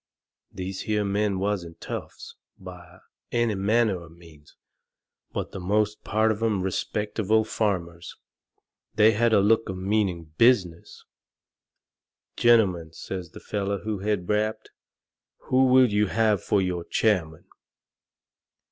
These here men wasn't toughs, by any manner of means, but the most part of 'em respectable farmers. They had a look of meaning business. "Gentlemen," says the feller who had rapped, "who will you have for your chairman?"